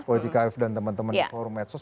politik wave dan teman teman di forum medsos